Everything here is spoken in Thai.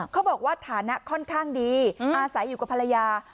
เขาบอกว่าฐานะค่อนข้างดีอาศัยอยู่กับภรรยา